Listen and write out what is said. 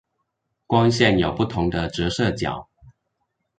光線有不同的折射角